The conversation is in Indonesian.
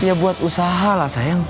ya buat usaha lah sayang